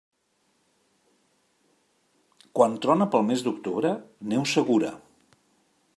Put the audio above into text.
Quan trona pel mes d'octubre, neu segura.